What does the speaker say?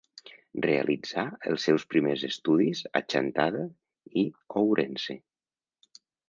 Realitzà els seus primers estudis a Chantada i Ourense.